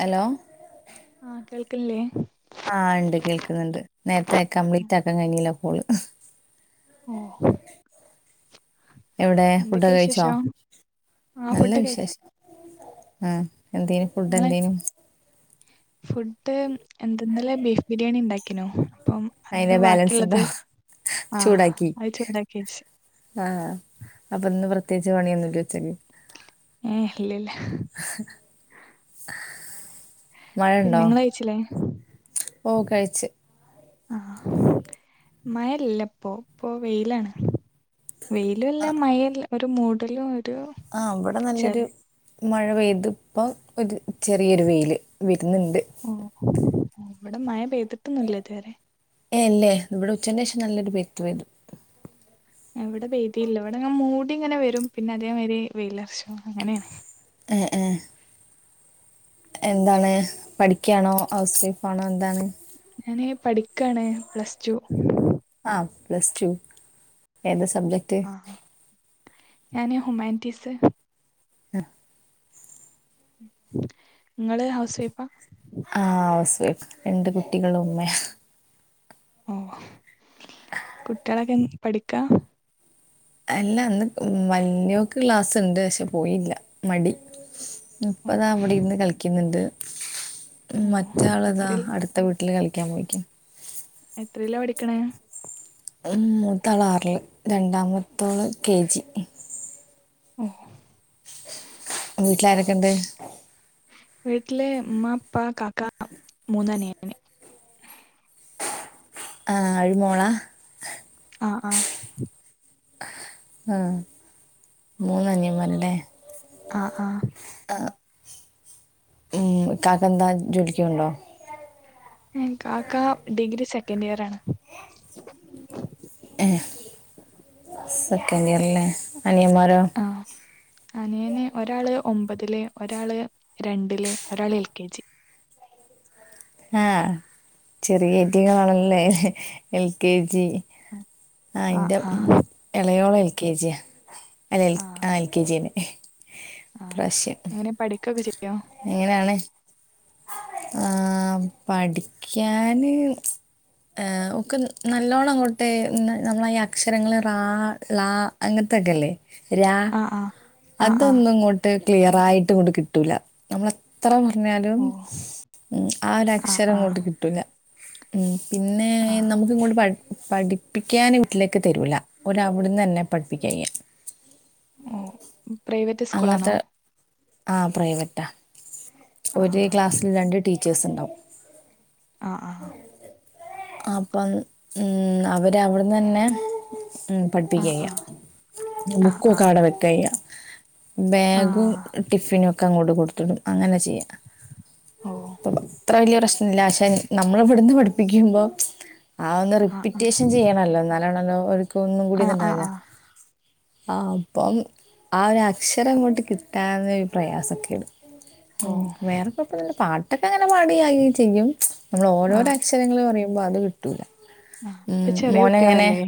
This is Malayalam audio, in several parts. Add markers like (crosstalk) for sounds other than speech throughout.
ഹലോ ആഹ് കേൾക്ക്ണ്ല്ലേ ആഹ ഉണ്ട് കേൾക്കുന്നുണ്ട് നേരത്തെ കംപ്ലീറ്റ് ആക്കാൻ കഴിഞ്ഞില്ല ഫുള് ഓ എവിടെ ഫുഡൊക്കെ എന്തൊക്കെയാ കഴിച്ചോ വിശേഷം ആഹ് നല്ല ഫുഡ് കഴിച്ചു വിശേഷം ആ എന്തേനു ഫുഡ് നിങ്ങള് എന്തേനു ഫുഡ് എന്തെന്നല്ല ബീഫ് ബിരിയാണി ഉണ്ടാക്കീനോ അയിന് ബാലൻസ് ഉണ്ടോ ആഹ് ചൂടാക്കി അത് ചൂടാക്കി വെച്ച് ആഹ അപ്പൊന്ന് വൃ പ്രത്യേകിച്ച് പണിയൊന്നുമല്ല ഉച്ചക്ക് ഏ ഇല്ലില്ല പിന്ന നിങ്ങള് കയ്ച്ചില്ലേ ഓ കഴിച്ചു ആഹ മയയില്ലല്ലേപ്പോ പോ വെയിലാണ് വെയിലും ഇല്ല മയയൂല്ല ഒരു മൂടലും ഒരു ആ അവിടെ നല്ലൊരു ചെറി മഴ പെയ്ത് ഇപ്പോ ഒരു ചെറിയൊരു വെയില് വരുന്നുണ്ട് ഓ ഇവിടെ മഴ പെയ്തിട്ടൊന്നൂല്ല ഇതുവരെ ഏല്ലേ ഇവിടെ ഉച്ചന് ശേഷം നല്ലൊരു വ്യക്തി വരും എവിടെ വേദിയില്ല ഇവിടെ ഞാൻ മൂടി ഇങ്ങനെ വരും പിന്നെ അതേമാതിരി വെയിലർച്ച അങ്ങനെയാണ് ഏ ഏ എന്താണ് പഠിക്കയാണോ ഹൗസ് വൈഫ്ാണോ എന്താണ് ഞൻ പഠിക്കയാണ് പ്ലസ് ടു ആഹ പ്ലസ് ടു ഏതാ സബ്ജക്ട് എന ഹുുമായിട്ടസ ആ നിങ്ങളെ ഹൗസ് വൈഫാ ആഹസ് രണ്ട് കുട്ടികളും ഉമ്മ ഓ കുട്ടികളൊക്കെ പഠിക്ക അല്ല അന്ന് വലിയോക്ക് ക്ലാസ്സ്ുണ്ട് പക്ഷെ പോയില്ല മടി ഓ മുപ്പതാ അവിടെ ഇന്ന് കളിക്കുന്നുണ്ട് ഉ ഓ മറ്റാൾ ഇതാ എത്രൽ അടുത്ത വീട്ടില് കളിക്കാൻ പോയിിക്കും എത്രല്ലോ പഠിക്കണേ മൂ താളാറില് രണ്ടാമത്തോള് കെ ജി (unintelligible) വീട്ടിലാരൊക്കെ ഉണ്ട് വീട്ടിലെ അമ്മ അപ്പാ കാാക്കാ മൂന്നാ നണ ആഹ അഴിമോളാ ആഹ ആഹ ആ മൂന്നഞ്ഞമാലല്ലേ ആഹ ആഹ ഉം കാക്ക എന്താ ജോലിക്കുണ്ടോ എ കാക്ക ഡിഗ്രി സെക്കൻഡ് ഇയർ ആാണ് സെക്കൻഡ് ഇയറല്ലേ അനിയന്മാരോ ആഹ അനിയൻ (unintelligible) ഒരാള് ഒമ്പതിലെ ഒരാള് രണ്ടിലെ ഒരാൾ എൽ കെ ജി ആഹ ചെറിയറ്റികളാണല്ലേ എൽ കെ ജി ആ ആഹ് ഇറെ ആഹ് ഉ ഇളയോളം എൽ കെ ജിയാ അൽ ആ ആഹ് എൽ കെ ജീനെ ആഹ് പ്രാവശ്യം എങ്ങനെ പഠിക്കൊക്കെ ചെയ്യോ എങ്ങനെയാണ് ആ പഠിക്കാന് ഒക്കെ നല്ലോണം അങ്ങോട്ടെ നമ്മള ഈ അക്ഷരങ്ങൾ റാ ാ അങ്ങനത്തെ കേ രാ ആഹ് ആഹ് ആഹ് ആഹ് അതൊന്ന ഇങ്ങോട്ട് ക്ലിയർ ആയിട്ട് കൊണ്ട് കിട്ടൂല നമ്മളത്ര ാലും ഓ ഉ ആ ഒരു ആഹ് അക്ഷരം ആഹ് അങ്ങോട്ട് കിട്ടില്ല ഉ പിന്നെ നമുക്കി ആഹ് ഇങ്ങോട്ട് പഠ പഠി പഠിപ്പിക്കാൻ വീട്ടിലേക്ക് തരൂല ഒ അവിടുന്ന് തന്നെ പഠിപ്പിക്കയ്യ ഓ പ്രൈവറ്റ് സ്കൂൾാണോ ആ പ്രൈവറ്റാ ആ ഒരു ക്ലാസ്സിൽ രണ്ട് ടീച്ചേഴ്സ് ഉണ്ടാവും ആ ആ അപ്പം ഉം അവര് അവിടന്ന് തന്നെ ഉ ആ പഠിപ്പിക്കുകയ്യ ആ ആ ആ ബുക്കൊക്കെടെ വെക്കുകയ്യ ആ ബാഗും ടിഫിനും ഒക്കെ അങ്ങോട്ട് കൊടുത്തിടും അങ്ങനെ ചെയ്യാം ഓ അപ്പ അത്ര വലിയ പ്രശ്ന ഇല്ല പക്ഷെ നമ്മള ഇവിടുന്ന് പഠിപ്പിക്കുമ്പോ ആ ഒന്ന് റിപ്പീറ്റേഷൻ ചെയ്യണല്ലോ നല്ലോണല്ലോ ഒരിക്കും ഒന്നും കൂടി ആ ആ ഇത്ണ്ടാവില്ല ആ ആ അപ്പം ആ ഒരു അക്ഷര ഇങ്ങോട്ട് കിട്ടാന്നരു പ്രയാസംൊക്കെ ഇടും ഉ ഓ വേറെക്കഴപ്പന്ന പാട്ടൊക്കെ അങ്ങനെ പാടുകായിയും ചെയ്യും നമ്മൾ ആ ഓരോര അക്ഷരങ്ങൾ പറയുമ്പോ അത് കിട്ടൂല ആ ഇപ്പൊ ഉം. ചെറിയ മോനങ്ങനെ കുട്ടികളല്ലേ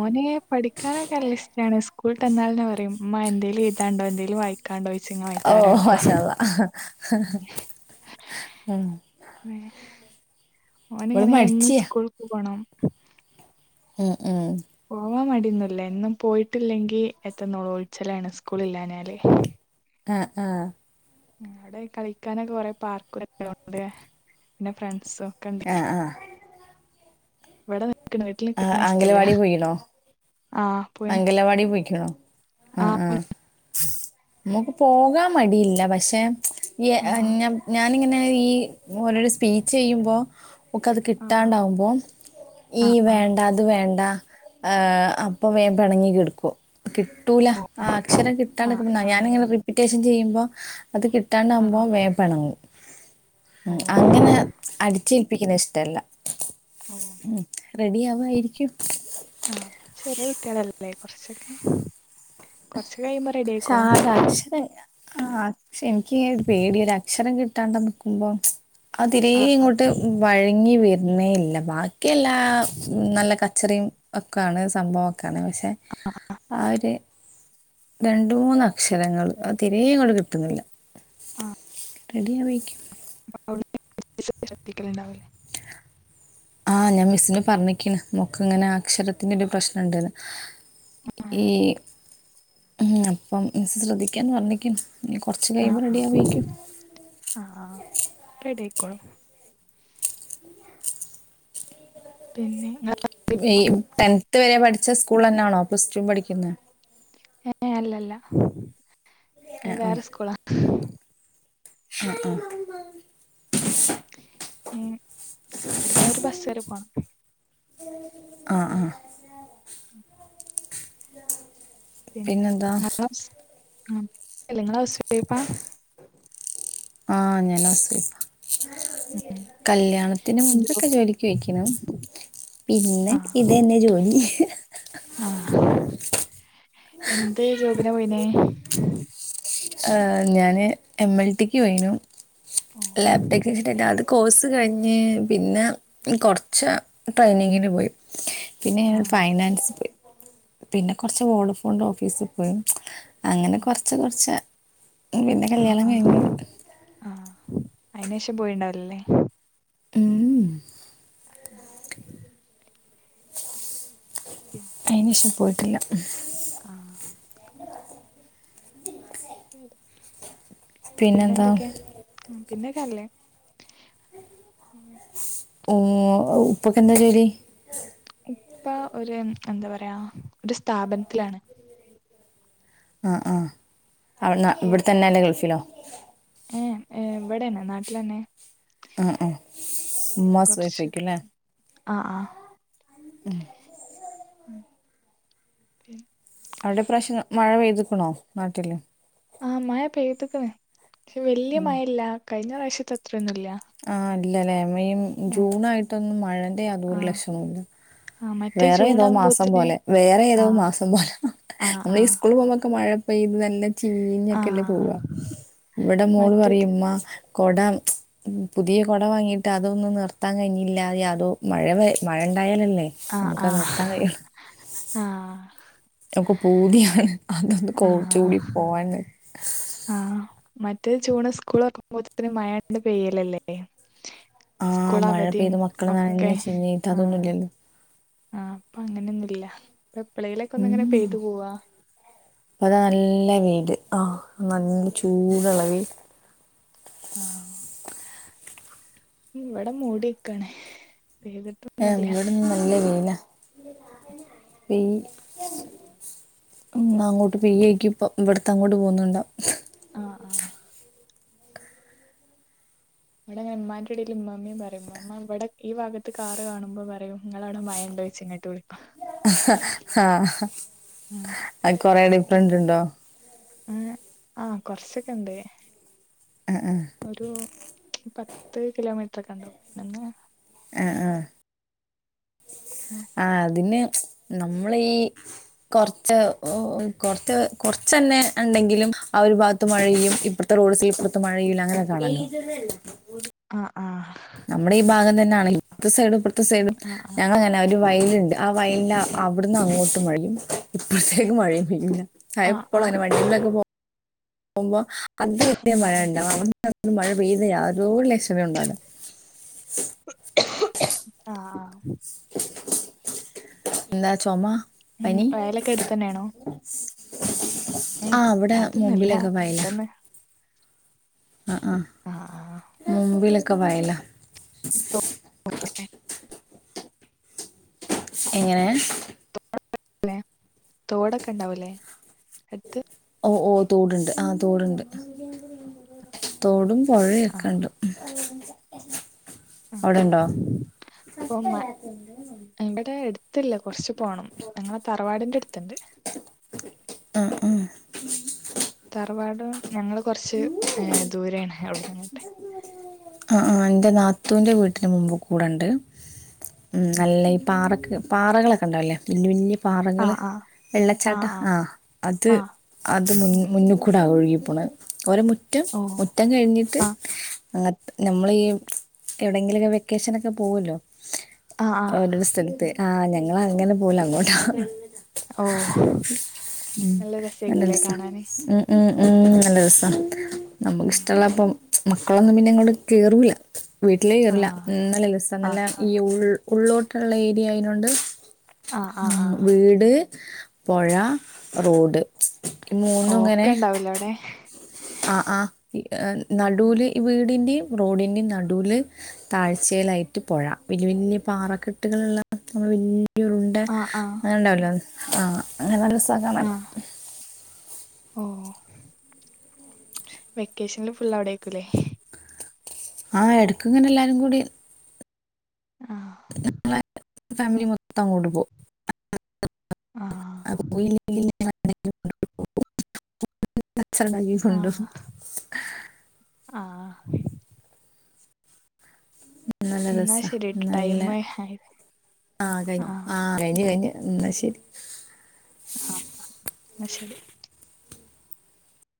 ഓന പഠിക്കാനൊക്കെല്ല ഇഷ്ട്ടാ ണ് സ്കൂളിൽ തന്നാല പറയുംമ്മ എന്തേലും താണ്ടോ എന്തേലുംയിക്കാണ്ടോ ങ്ങ ഓ വത്താര എടുക്കും മാഷാല്ല ഓൻ ഇവിടെ ഇങ്ങനെ എന്ന മടിച്ചിയാ സ്കൂൾക്ക് പോണം ഉഹ ഉ അ മടന്നല്ല എന്നും പോയിട്ടില്ലെങ്കി എത്ത നോലോൽച്ചലാണ് സ്കൂള ഇല്ലങ്കി ആഹ ആഹ ടെ കളിക്കാനൊക്കെ കൊറെേ പാർക്കുംക്കണ്ട് പിന്നെ ഫ്രണ്ട്സും ഒക്കെ ഉണ്ട് ആഹ ആഹ ഇവിടെ നിക്കണ വീട്ടിൽ ആ, നിക്കണ ഇഷ്ടല്ല ആ പോയിണ് അംഗലവാടി പോയിക്കണോ ആ ആഹ നമുക്ക് പോകാൻ മടിയില്ല പക്ഷെ ആ ഞാൻ ഇങ്ങനെ ഈ ഓരോരു സ്പീച്ച് ചെയ്യുമ്പോ ഒക്ക അത് ആ ആ കിട്ടാണ്ടാാവുമ്പോൾ ഈ ആ ആ വേണ്ട അത് വേണ്ട അപ്പം വേമ്പ ണങ്ങി കടുക്ക കിട്ടൂല ഓ അക്ഷരം കിട്ടാ ആ ആ ഞാനെ റിപ്പീറ്റ് ചെയ്യുമ്പോ അത് ആ കിട്ടാണ്ടാവകുമ്പോം വേ പണങ്ങും ഓ അങ്ങനെ അടിച്ചേൽപ്പിക്കുന്ന ഇഷ ഓ റെഡി ആവായിരിക്കും ആ അപ്പൊ ചെറിയ കുട്ടികളല്ലറക്കറ പക്ഷെ ആ അക്ഷരം ആക്ഷ എനിക്ക് ഒരു പേടിയൊ ഒരു അക്ഷരം കിട്ടി ട്ടാണ്ട നിക്കുമ്പോ അത് തീരെ ആ ആ ഇങ്ങോട്ട് വഴങ്ങി വരും ന്നേ ഇല്ല ബാക്കിയ എല്ലാ നല്ല കച്ചറിയും ഒക്കെയാണ് സംഭവൊക്കെ കാണ പക്ഷെ ആ ഒരു രണ്ട മൂന്ന് അക്ഷരങ്ങൾ അ തീരെ ങ്ങട്ട് കിട്ടുന്നില്ല ആഹ റെഡിയവേക്കും ശ്രദ്ധിക്കലുണ്ടാവില്ലേ ആഹ് ഞാൻ മിസ്സിന്റെ പറഞ്ഞിക്കന്ന് മോക്ക് ഇങ്ങനെ അക്ഷരത്തിന്റെ ഒരു പ്രശ്നുണ്ട്ന്ന് ഈ അപ്പം മ ശ്രദ്ധിക്കാൻ പറണിക്കുന്നു ന കൊറച്ച ആ കഴിയുമ്പോ ആ റെഡി ആവക്കും ആ ആ റെഡി ആയിക്കോളും പിന്നെ ഈ ടെൻത് വരെ പഠിച്ച സ്കൂൾ തന്നാണോ പുസ്റ്റം പഠിക്കുന്ന ഏ അല്ലല്ല വേറെ സ്കൂള പ്പ ഉ ഇവിടന്ന്രു ബസ്സ വരെ പോണം ആഹ ആ ആ പിന്നെ നിങ്ങള ഹൌസ് വൈഫ ആഹ ഞാൻ ഹൌസ് വൈഫ കല്യാണത്തിന് ജോ മുൻ്പൊക്കെ ജോലിക്ക് പൊയ്ക്കണ് പിന്നെ ഇത് തന്നെ ജോലി ആഹ എന്ത് ജോബിനാ പോയിനെ ഹ് ഞാന് എം എൽ ടിക്ക് പോയിനു ഓ ലാപ്ടക്ക് വെച്ചിട്ട അത് കോഴ്സ് കഴിഞ്ഞ് പിന്നെ കൊറച്ച് ട്രെയിനിങ്ങിന് പോയി. പിന്നെ ഞ ആഹ് ഫൈനാൻസി പോയി പിന്നെ കൊറച്ച് വോഡഫോന്റെ ഓഫീസ് പോയി അങ്ങനെ ഓ കൊർച്ച് കൊർച്ച് ഉ പിന്നെ കല്യാണം ആഹ് ആഹ് കഴിഞ്ഞ് ആഹ് അയിനേഷം പോയിണ്ടാവുലല്ലേ ഉം അയിനേഷം പോയിട്ടില്ല. ആ. പിന്നെന്താ പിന്നെന്തൊക്കെയാ? പിന്നെക്കെ അല്ലേ? ഓ ഉപ്പക്ക് എന്താ ജോലി? ഉപ്പ ഒരു എന്താ പറയാ ഒരു സ്ഥാപനത്തിലാണ്. ആ ആ അ ഇവിടെ തന്നെ അല്ലെങ്കി ഗൾഫിലോ? ഏ ഇവിടെന്നെ നാട്ടിലന്നെ. ആ ആ ഉമ്മ ഹൗസ് കൊറച്ച് വൈഫക്കുംല്ലേ? ആഹ് ആഹ് ഉം. അവിടെ ഇപ്രാവശ്യം മഴ പെയ്തുക്കണോ നാട്ടില്? ആ മഴ പെയ്ത്ക്ക്ണ്. പക്ഷേ വല്യ മഴയില്ല കഴിഞ്ഞ പ്രാവശ്യത്ത് അത്രൊന്നുംല്ല. മെയ് ഉം ജൂൺ ആയിട്ടൊന്നും മഴന്റെ യാതൊരു ആഹ് ലക്ഷണും ഇല്ല. ആഹ് മറ്റേ വേറെ ജൂൺ ഏതോ മാസം ആകുമ്പോത്തിന് പോലെ വേറെ ഏതോ ആഹ് മാസം പോലെ ആഹ് നമ്മള് ഈ ആഹ് സ്കൂളിൽ പോകുമ്പോക്കെ മഴ ഇപ്പൊ ഇത് നല്ല ചീഞ്ഞൊക്കെല്ലേ ആഹ് പോവാ ഇവിടെ മോള് മറ്റേത് പറയും മ്മ കൊട പുതിയ കൊട വാങ്ങിയിട്ട് അതൊന്നും നിർത്താൻ കഴിഞ്ഞില്ലാതെ അതോ മഴ മഴ ആയാലല്ലേ ആഹ് നമുക്കത് ആഹ് നിർത്താൻ കഴിയുള്ള ആഹ് പൂതിയാണ് അതൊന്ന് കൊട ചൂടി പോവാൻ ആ മറ്റേ ജൂൺ സ്കൂൾ ഓർക്കുമ്പോത്തിന് മഴണ്ട് പെയ്യലല്ലേ? ആ മഴ സ്കൂളവതിയും പെയ്ത് മക്കള് ഒക്കെ നനഞ്ഞ് ചിഞ്ഞിട്ട് ആ അതൊന്നുമില്ലല്ലോ ആ. അങ്ങനെയൊന്നുല്ല. എപ്പളേലൊക്കെ ഒന്നിങ്ങനെ ഉം പെയ്തു പോവാ അപ്പതാ നല്ല വെയിൽ. ആഹ് നല്ല ചൂടുള്ള വെയിൽ. ആ ഇവിടെ മൂടിക്കാണ് ഏ പെയ്തിട്ടൊന്നുല്ല ഇവിടെ ഇന്ന് നല്ല വെയില ഈ അങ്ങോട്ട് പെയ്യുവായിക്കും ഇപ്പ ഇവിടുത്തെ അങ്ങോട്ട് പോ ന്നുണ്ടാ ആഹ് ആഹ് അവിടെങ്ങ ഇമ്മാന്റെ കുടിയില് ഇമ്മമ്മീം പറയും ഇമ്മമ്മ ഇവിടെ ഈ ഭാഗത്ത് കാറ് കാണുമ്പോ പറയും നിങ്ങളവിടെ മഴുണ്ടോ ചോയ്ച്ച് ഇങ്ങോട്ട് വിളിക്കും. അ കൊറെ ഡിഫ്‌റന്റ് ഉണ്ടോ? ഉം ആ കൊർച്ചൊക്കെ ഇണ്ട്. ഒരു പത്ത് കിലോമീറ്ററോക്കെ ഇ ണ്ടാവും. ആ ആ. ആ അതിന് നമ്മള ഈ കൊർച്ച് കൊർച്ച് കൊർ ച്ച് ന്നെ ഇണ്ടെങ്കിലും ആ ഒരു ഭാഗത്ത് മഴെയ്യും. ഇപ്പർ ത്തെ റോഡ്സിൽ ഇപ്പറത്തും മഴയ്യൂല അങ്ങനെക്കണല്ലോ. ആ. നമ്മുടെ ഈ ഭാഗം തന്നെയാണ് ഇപ്പർത്തെ സൈഡും ഇപ്പർത്തെ സൈഡും ആഹ് ആഹ് ഞങ്ങൾങ്ങനെ വയലുണ്ട് ആ വയലിന് അവിടുന്ന് അങ്ങോട്ട് മഴ പെയ്യും ഇപ്പോഴത്തേക്കും മഴയും പെയ്യൂല. അ ആഹ് എപ്പളും ആഹ് ഓന് പണിയ പോമ്പോ ആഹ് ആഹ് (unintelligible) മഴ പെയ്ത യാതൊരു ലക്ഷണവും ഉണ്ടാവൂല. ആ ആ. എന്താ ചുമ? ഉം വയലൊക്കെ എടുത്ത് തന്നെയാണോ? ആ അവിടെ അതൊന്നുല്ല മുമ്പിലൊക്കെ വയല. പെട്ടെന്ന് ആ ആ ആഹ് ആഹ് മുമ്പിലൊക്കെ വയല. (unintelligible) എങ്ങനെ വൂലെ തോടൊക്കെണ്ടാവൂലെ അടുത്ത് ഓ ഓ തോടുണ്ട് ആ തോടുണ്ട് തോടും ആഹ് പുഴയൊക്കെണ്ട് ഉം അവിടെണ്ടോ പ്പം മ ഇവിടെ എടുത്തില്ല കുറച്ച് പോണം ഞങ്ങളെ തറവാടിന്റെ അടുത്ത് ത്ത്ണ്ട് ആ ആ തറവാടും ഞങ്ങൾ കുറച്ച് ഏ ദൂരെയാണ് അവിടു ആ ആ എന്റെ നാത്തൂൻറെ വീട്ടന് മുമ്പ്കൂടെ ണ്ട് ഉം നല്ല ഈ പാറ പാറകളൊക്കെ ണ്ടാവുല്ലേ വല്യ വല്യ പാറകള് ആഹ് ആഹ് ആഹ് വെള്ളച്ചാട്ടം ആ ആഹ് അത് ആഹ് ആ അത് മുന്ന് മുന്നുകൂടാ ഒഴുകിപ്പോണ ഓരോ മുറ്റം മുറ്റം കഴിഞ്ഞിട്ട് ആ അങ്ങത്തെ നമ്മളെ ഈ എവിടെങ്കിലൊ ക്കെ വെക്കേഷനൊക്കെ പോവല്ലോ ആഹ് ആഹ് ഓരോരു സ്ഥലത്ത് ആ ഞങ്ങളങ്ങനെ പോവൂല അങ്ങോട്ടാ ഓഹ് (unintelligible) ഉം നല്ല രസേക്കൂലേ രസാ കാണാന് ഉം ഉം ഉം നല്ലരസാ, ആഹ് നമുകിശഷ്ടള്ളപ്പോ മക്കളൊന്നും പിന്നെ ഇങ്ങോട്ട് കേറൂല വീട്ടിലേകേറില്ല ആഹ് നല്ല രസാ നല്ല ആഹ് ഈ ഉൾ ഉള്ളോട്ടുള്ള ഏരിയ്നോണ്ട് ആഹ് ആഹ് ഉം ആഹ് വീട്, പൊഴാ, റോഡ് ഈ മൂന്നും ങ്ങനെ ഒക്കെ ഉണ്ടാവൂലേ അവിടെ അ ആ ഈ നടൂല് ഈവി ടിന്റെ റോഡിന്റെ നടൂല് താഴ്ചയിലായിട്ട് പൊഴ വല്യ വല്യ പാറക്കെട്ടുകളുള്ള വലിയരുണ്ടെ ആഹ് ആഹ് അങ്ങനെണ്ടാവലോ ആഹ് അങ്ങനെ നല്ല രസാ കാണാൻ ആഹ് ഓ വെക്കേഷനില് ഫുൾ അവിടെയിരിക്കുംലേ ആഹ് എടക്കിങ്ങനെ എല്ലാരുംകൂടി ആഹ് ഫാമിലി മൊത്തം അങ്ങോട്ട് പോവും ആഹ് (unintelligible) അച്ഛൻ നൽകിയ ഫണ്ട് ആഹ് ആഹ് നല്ല എന്നാ രസ ശരിട്ടോ നല്ല ടൈം ആയി ആ കയ്ഞ്ഞോ ആഹ് ആ കയിഞ് കഴിഞ് എന്നാ ശരി ആഹ് ന്നാ ശരി